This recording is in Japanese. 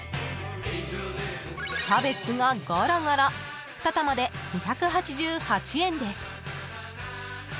［キャベツがゴロゴロ２玉で２８８円です］